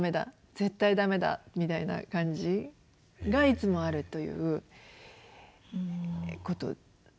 絶対ダメだ！みたいな感じがいつもあるということですかね。